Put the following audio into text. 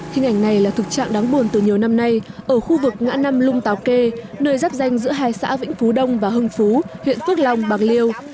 hình ảnh này là thực trạng đáng buồn từ nhiều năm nay ở khu vực ngã năm lung táo kê nơi dắp danh giữa hai xã vĩnh phú đông và hưng phú huyện phước long bạc liêu